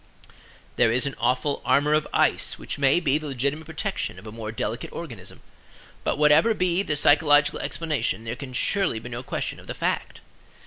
There is an awful armor of ice which may be the legitimate protection of a more delicate organism; but whatever be the psychological explanation there can surely be no question of the fact.